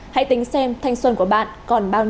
hãy tính xem thanh xuân của bạn còn bao nhiêu